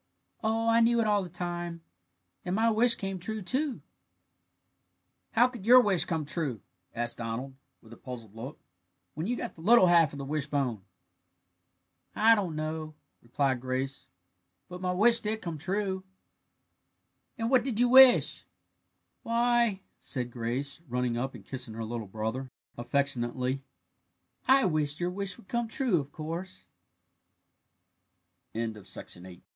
"Oh, I knew it all the time; and my wish came true, too." "How could your wish come true?" asked Donald, with a puzzled look, "when you got the little half of the wishbone?" "I don't know," replied Grace, "but my wish did come true." "And what did you wish?" "Why," said Grace, running up and kissing her little brother affectionately, "I wished your wish would come true, of course." PATEM'S SALMAGUNDI BY E.